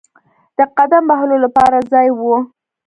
د قدم وهلو لپاره ځای وو.